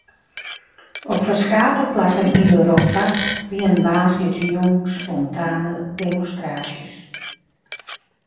Op ferskate plakken yn Europa wiene woansdeitejûn spontane demonstraasjes.